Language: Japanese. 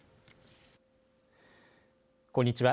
こんにちは。